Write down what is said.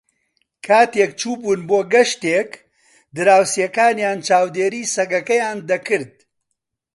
کاتێک چوو بوون بۆ گەشتێک، دراوسێکانیان چاودێریی سەگەکەیان دەکرد.